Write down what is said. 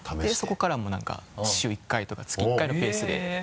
そこからもう何か週１回とか月１回のペースで。